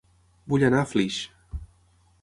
Vull anar a Flix